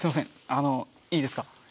あのいいですか？